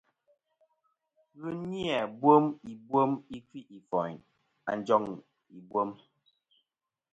Ghɨ ni-a bwem ibwem i kfi'foyn a njoŋ ìbwem.